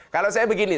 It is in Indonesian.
kalau saya begini